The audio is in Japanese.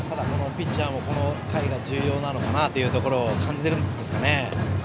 ピッチャーも、この回が重要なのかなというのを感じているんですかね。